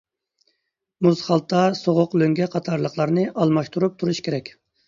مۇز خالتا، سوغۇق لۆڭگە قاتارلىقلارنى ئالماشتۇرۇپ تۇرۇش كېرەك.